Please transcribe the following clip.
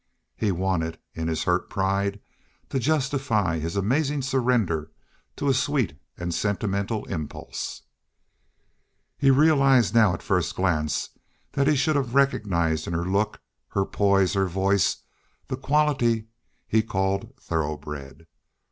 He wanted, in his hurt pride, to justify his amazing surrender to a sweet and sentimental impulse. He realized now that at first glance he should have recognized in her look, her poise, her voice the quality he called thoroughbred.